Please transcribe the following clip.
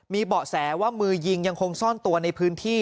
มีเบาะแสว่ามือยิงยังคงซ่อนตัวในพื้นที่